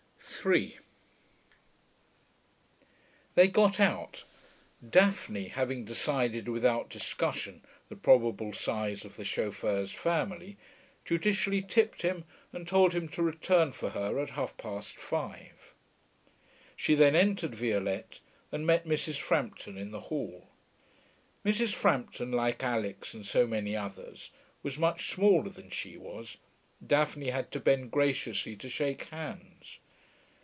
3 They got out. Daphne, having decided without discussion the probable size of the chauffeur's family, judicially tipped him and told him to return for her at half past five. She then entered Violette and met Mrs. Frampton in the hall. Mrs. Frampton, like Alix and so many others, was much smaller than she was; Daphne had to bend graciously to shake hands.